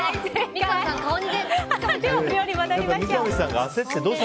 ではお料理に戻りましょう。